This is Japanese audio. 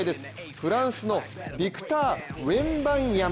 フランスのビクター・ウェンバンヤマ